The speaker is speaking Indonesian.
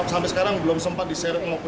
sampai sekarang belum sempat diseret untuk diadili